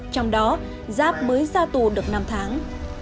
trong đó giáp mới ra tù được năm tháng